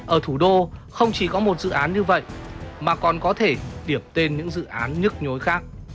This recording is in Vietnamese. ở thủ đô không chỉ có một dự án như vậy mà còn có thể điểm tên những dự án nhức nhối khác